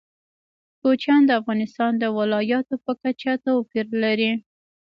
کوچیان د افغانستان د ولایاتو په کچه توپیر لري.